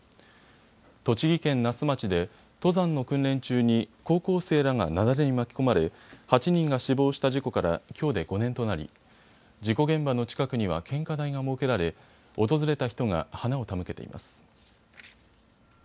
栃木県那須町で登山の訓練中に高校生らが雪崩に巻き込まれ８人が死亡した事故からきょうで５年となり事故現場の近くには献花台が設けられ訪れた人が花を手向けています。